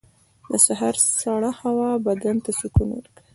• د سهار سړه هوا بدن ته سکون ورکوي.